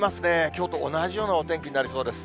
きょうと同じようなお天気になりそうです。